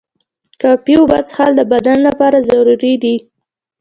کافی اوبه څښل د بدن لپاره ضروري دي.